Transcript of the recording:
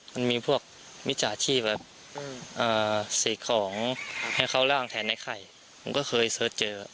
มันมีพวกมิจฉาชีพแบบสิ่งของให้เข้าร่างแทนในไข่ผมก็เคยเสิร์ชเจอ